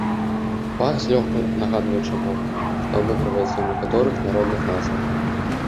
Пах злёгку нагадвае чабор, што абыгрываецца ў некаторых народных назвах.